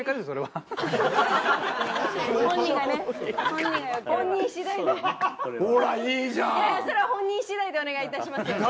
それは本人次第でお願いいたします。